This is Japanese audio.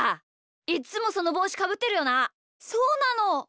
いっつもそのぼうしかぶってるよな。